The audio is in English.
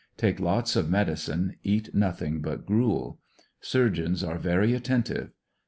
Take lots of medicine, eat nothing but gruel. Surgeons are very attentive.